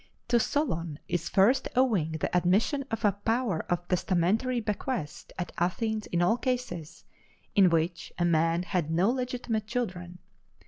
To Solon is first owing the admission of a power of testamentary bequest at Athens in all cases in which a man had no legitimate children.